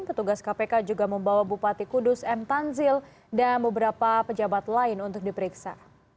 petugas kpk juga membawa bupati kudus m tanzil dan beberapa pejabat lain untuk diperiksa